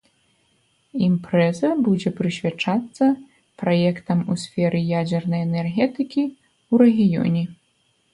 Імпрэза будзе прысвячацца праектам у сферы ядзернай энергетыкі ў рэгіёне.